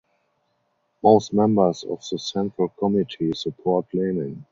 Most members of the Central Committee support Lenin.